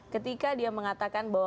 ketika dia mengatakan bahwa